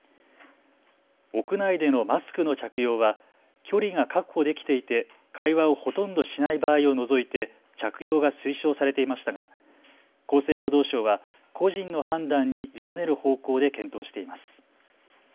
屋内でのマスクの着用は距離が確保できていて会話をほとんどしない場合を除いて着用が推奨されていましたが厚生労働省は個人の判断に委ねる方向で検討しています。